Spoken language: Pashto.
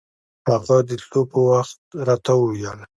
هغه د تلو پر وخت راته وويل.